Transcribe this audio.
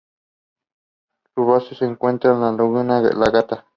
En su base se encuentra la Laguna La Gata.